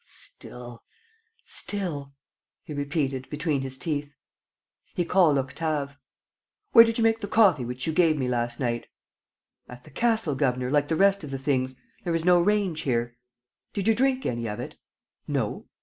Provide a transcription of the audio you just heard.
"Still ... still ..." he repeated, between his teeth. ... He called Octave: "Where did you make the coffee which you gave me last night?" "At the castle, governor, like the rest of the things. There is no range here." "Did you drink any of it?" "No."